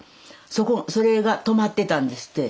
それがとまってたんですって。